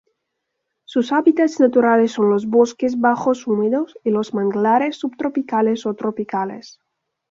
Sus hábitats naturales son los bosques bajos húmedos y los manglares subtropicales o tropicales.